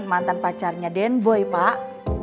mantan pacarnya den boy pak